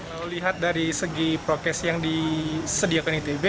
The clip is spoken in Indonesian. kalau lihat dari segi prokes yang disediakan itb